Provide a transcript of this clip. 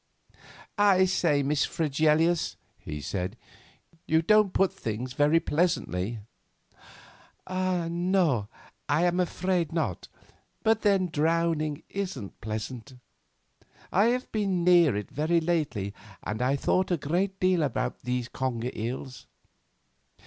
"I say, Miss Fregelius," he said, "you don't put things very pleasantly." "No, I am afraid not, but then drowning isn't pleasant. I have been near it very lately, and I thought a great deal about those conger eels.